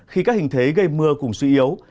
khi các hình thế gây mưa cùng suy yếu